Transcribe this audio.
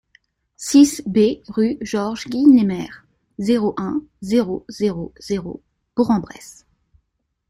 six B rue Georges Guynemer, zéro un, zéro zéro zéro, Bourg-en-Bresse